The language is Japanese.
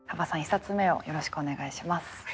１冊目をよろしくお願いします。